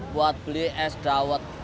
buat beli es dawet